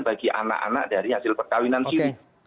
bagi anak anak dari hasil perkawinan siwi